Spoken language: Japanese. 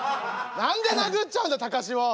何で殴っちゃうんだタカシを。